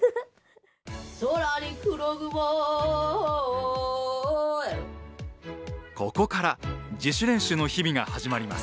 空に黒雲ここから自主練習の日々が始まります。